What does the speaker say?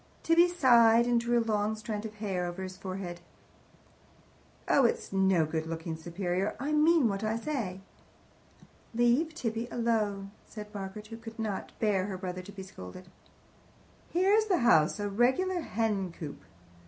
Tibby sighed, and drew a long strand of hair over his forehead. "Oh, it's no good looking superior. I mean what I say." "Leave Tibby alone!" said Margaret, who could not bear her brother to be scolded. "Here's the house a regular hen coop!"